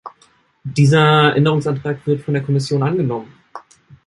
Dieser Änderungsantrag wird von der Kommission angenommen.